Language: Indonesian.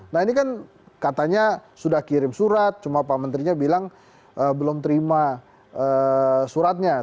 nah ini kan katanya sudah kirim surat cuma pak menterinya bilang belum terima suratnya